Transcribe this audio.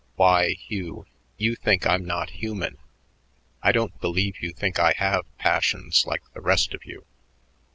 Why, Hugh, you think I'm not human. I don't believe you think I have passions like the rest of you.